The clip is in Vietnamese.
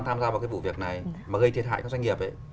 tham gia vào cái vụ việc này mà gây thiệt hại cho doanh nghiệp ấy